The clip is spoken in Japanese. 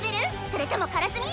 それともカラスミ？